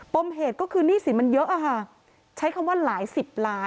มเหตุก็คือหนี้สินมันเยอะอะค่ะใช้คำว่าหลายสิบล้าน